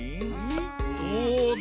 どうだ？